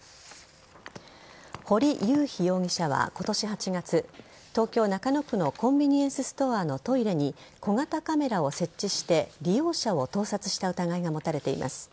堀雄飛容疑者は今年８月東京・中野区のコンビニエンスストアのトイレに小型カメラを設置して利用者を盗撮した疑いが持たれています。